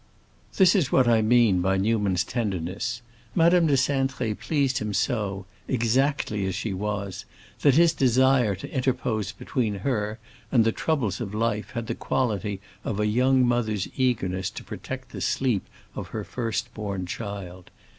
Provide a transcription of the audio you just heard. This is what I mean by Newman's tenderness: Madame de Cintré pleased him so, exactly as she was, that his desire to interpose between her and the troubles of life had the quality of a young mother's eagerness to protect the sleep of her first born child.